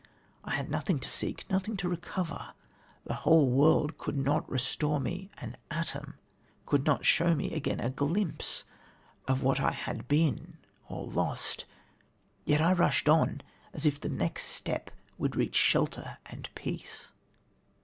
I had nothing to seek, nothing to recover; the whole world could not restore me an atom, could not show me again a glimpse of what I had been or lost, yet I rushed on as if the next step would reach shelter and peace."